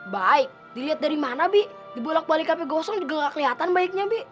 baik dilihat dari mana bi dibolak balik api gosong juga gak kelihatan baiknya bi